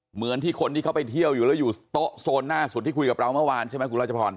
เหมือนที่คนที่เขาไปเที่ยวอยู่แล้วอยู่โต๊ะโซนหน้าสุดที่คุยกับเราเมื่อวานใช่ไหมคุณราชพร